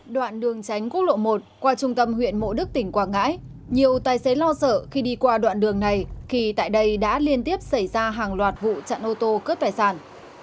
đoạn đường tránh quốc lộ một qua trung tâm huyện mộ đức tỉnh quảng ngãi nhiều tài xế lo sợ khi đi qua đoạn đường này khi tại đây đã liên tiếp xảy ra hàng loạt vụ chặn ô tô cướp tài sản